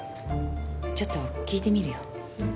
ちょっと聞いてみるよ。